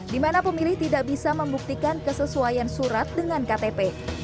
di mana pemilih tidak bisa membuktikan kesesuaian surat dengan ktp